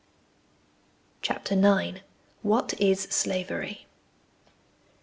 CHAPTEK IX WHAT IS SLAVERY?